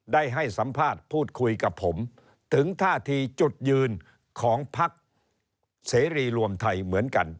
ได้ให้สัมภาษณ์พูดคุยกับผมถึงท่าทีจุดยืนของพักเสรีรวมไทยเหมือนกัน